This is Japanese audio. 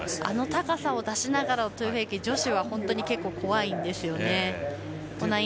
あの高さを出しながらのトゥフェイキー女子は怖いんです。